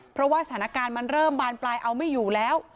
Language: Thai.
เพราะว่าสถานการณ์มันเริ่มบานปลายเอาไม่อยู่แล้ว